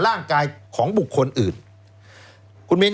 แล้วเขาก็ใช้วิธีการเหมือนกับในการ์ตูน